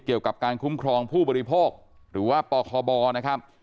เกี่ยวกับการคุ้มครองผู้บริโภคหรือว่าปคบนะครับ